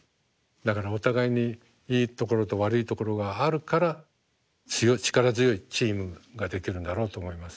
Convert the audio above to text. だからお互いにいいところと悪いところがあるから力強いチームができるんだろうと思います。